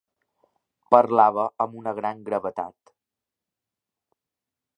Parlava amb una gran gravetat.